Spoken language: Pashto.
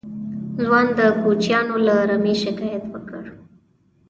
ځوان د کوچيانو له رمې شکايت وکړ.